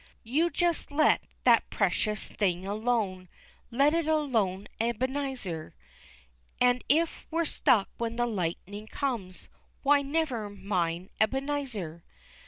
"You just let that precious thing alone, Let it alone, Ebenezer, And if we're struck when the lightning comes, Why never mind, Ebenezer."